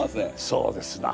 そうですな。